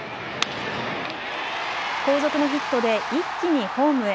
後続のヒットで一気にホームへ。